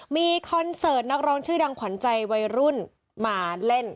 มีคอนเสิร์ตนักร้องชื่อดังขวัญใจวัยรุ่นมาเล่น